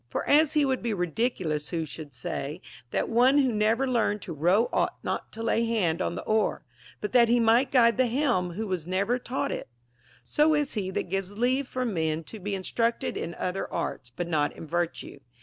For as he would be ridiculous who should say, that one who never learned to row ought not to lay hand on the oar, but that he might guide the helm who was never taught it ; so is he that gives leave for men to be instructed in other arts, but not in virtue.